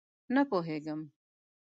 _نه پوهېږم!